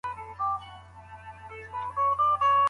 اقتصاد پوهنځۍ بې پوښتني نه منل کیږي.